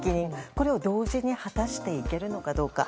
これを同時に果たしていけるのかどうか。